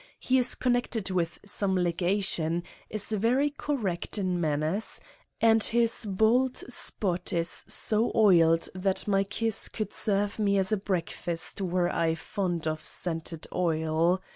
He is con nected with some legation, is very correct in man ners and his bald spot is so oiled that my kiss could serve me as a breakfast were I fond of scented oil.